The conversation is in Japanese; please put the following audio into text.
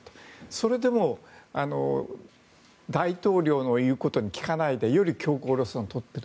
それでも大統領の言うことを聞かないでより強硬路線を取っている。